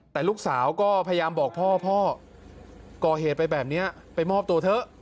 แต่ลูกสาวก็พยายามบอกพ่อพ่อก่อเหตุไปแบบนี้ไปมอบตัวเถอะ